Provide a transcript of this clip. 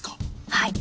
はい。